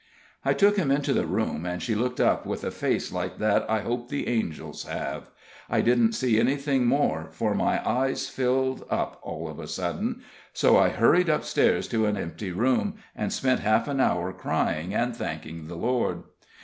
I took him into the room, and she looked up with a face like what I hope the angels have. I didn't see anything more, for my eyes filled up all of a sudden, so I hurried up stairs into an empty room, and spent half an hour crying and thanking the Lord.